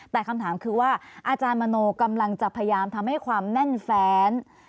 แต่คำถามคือว่าอาจารย์มโนกำลังจะพยายามทำให้ความแน่นแฟน